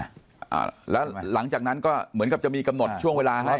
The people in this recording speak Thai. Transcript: อ่าแล้วหลังจากนั้นก็เหมือนกับจะมีกำหนดช่วงเวลาให้